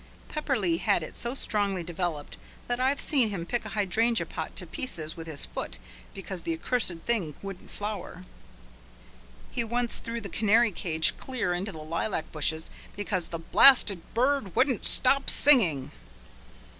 Pepperleigh had it so strongly developed that I've seen him kick a hydrangea pot to pieces with his foot because the accursed thing wouldn't flower. He once threw the canary cage clear into the lilac bushes because the "blasted bird wouldn't stop singing."